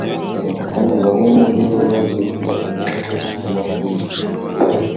kandi bamwe muri bo baje kuba intumwa z'ubutumwa bwiza.